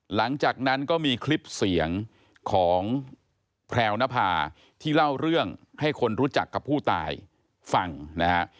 หลังจากนั้นก็มีคลิปเสียงของแพรวนภาที่เล่าเรื่องให้คนรู้จักกับผู้ตายฟังนะฮะ